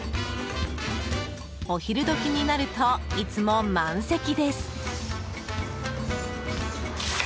お昼時になると、いつも満席です。